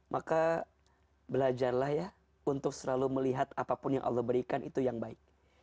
maka belajarlah ya untuk selalu melihat apapun yang allah berikan itu yang baik